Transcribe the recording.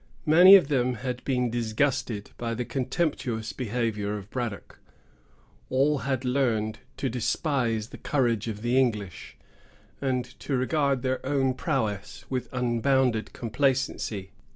Many of them had been disgusted by the contemptuous behavior of Braddock. All had learned to despise the courage of the English, and to regard their own prowess with unbounded complacency.